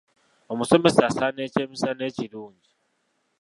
Omusomesa asaana ekyemisana ekirungi.